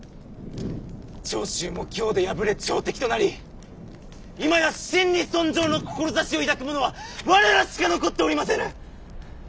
長州も京で敗れ朝敵となり今や真に尊攘の志を抱くものは我らしか残っておりませぬ！